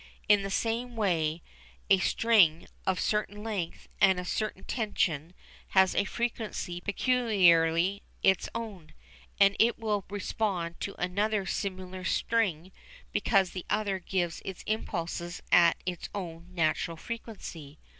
In the same way a string, of a certain length and a certain tension, has a frequency peculiarly its own, and it will respond to another similar string because the other gives its impulses at its own natural frequency.